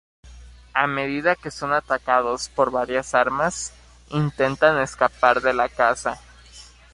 A medida que son atacados por varias armas, intentan escapar de la casa.